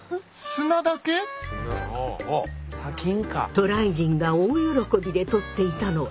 渡来人が大喜びで採っていたのは